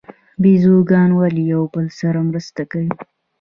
بیزوګان ولې یو بل سره مرسته کوي؟